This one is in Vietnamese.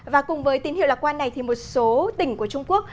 và cùng với tín hiệu lạc quan này thì một số tỉnh của trung quốc